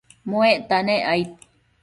muecta nec aid